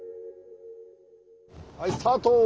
はいスタート！